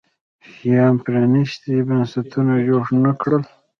شیام پرانیستي بنسټونه جوړ نه کړل.